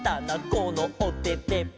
このおてて」